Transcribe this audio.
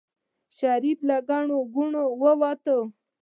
شريف له ګڼې ګوڼې ووت.